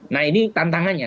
nah ini tantangannya